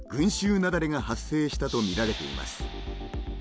雪崩が発生したとみられています